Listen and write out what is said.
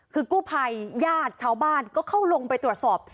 คือกู้ภัยญาติชาวบ้านก็เข้าลงไปตรวจสอบ